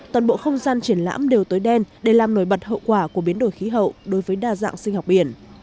toàn bộ không gian triển lãm đều tối đen để làm nổi bật hậu quả của biến đổi khí hậu đối với đa dạng sinh học biển